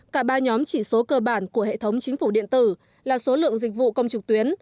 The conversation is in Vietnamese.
cả ba nhóm chỉ số cơ bản của hệ thống chính phủ điện tử là số lượng dịch vụ công trực tuyến